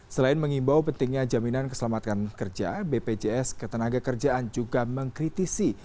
selain mengimbau pentingnya jaminan keselamatan kerja bpjs ketenaga kerjaan juga mengkritisi